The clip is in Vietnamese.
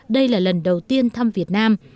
đây là lần đầu tiên thăm việt nam